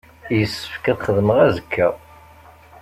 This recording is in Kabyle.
Yessefk ad xedmeɣ azekka.